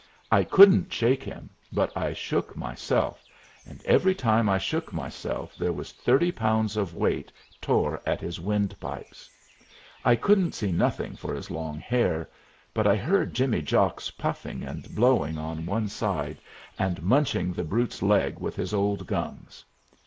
I couldn't shake him, but I shook myself, and every time I shook myself there was thirty pounds of weight tore at his wind pipes. I couldn't see nothing for his long hair, but I heard Jimmy Jocks puffing and blowing on one side, and munching the brute's leg with his old gums.